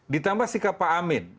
ditambah sikap pak amin